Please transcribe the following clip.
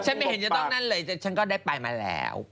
ไม่เห็นจะต้องนั่นเลยฉันก็ได้ไปมาแล้ว